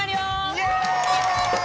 イエイ！